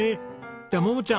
じゃあ桃ちゃん